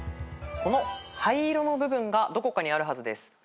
この灰色の部分がどこかにあるはずです。